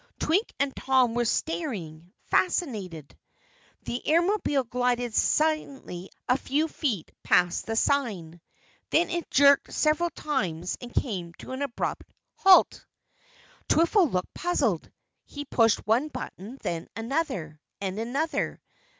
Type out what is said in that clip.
Twink and Tom were staring, fascinated. The Airmobile glided silently a few feet past the sign. Then it jerked several times and came to an abrupt halt. Twiffle looked puzzled. He pushed one button, then another, and another.